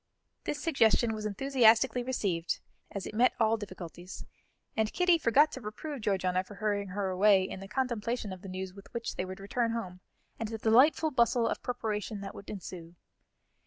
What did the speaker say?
This suggestion was enthusiastically received, as it met all difficulties, and Kitty forgot to reprove Georgiana for hurrying her away, in the contemplation of the news with which they would return home, and the delightful bustle of preparation that would ensue.